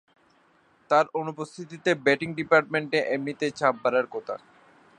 তাঁর অনুপস্থিতিতে ব্যাটিং ডিপার্টমেন্টে এমনিতেই চাপ বাড়ার কথা।